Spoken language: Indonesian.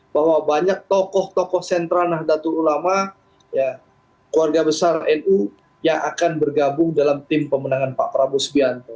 bahwa banyak tokoh tokoh sentra nahdlatul ulama keluarga besar nu yang akan bergabung dalam tim pemenangan pak prabowo subianto